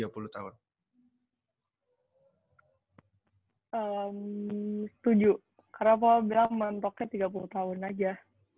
setuju karena papa bilang mantoknya tiga puluh tahun aja